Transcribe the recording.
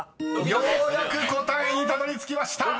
［ようやく答えにたどりつきました］